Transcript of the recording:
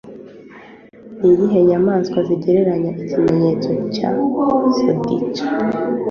Niyihe nyamaswa zigereranya ikimenyetso cya Zodiac?